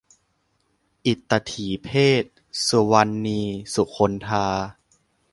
อิตถีเพศ - สุวรรณี สุคนธา